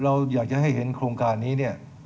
เราอยากจะให้เห็นโครงการนี้เนี่ย